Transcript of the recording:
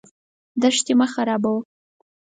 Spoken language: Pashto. دښتې مه خرابوه.